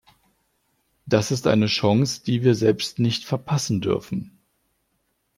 Das ist eine Chance, die wir selbst nicht verpassen dürfen.